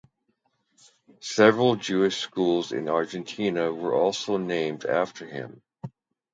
Several Jewish schools in Argentina were also named after him.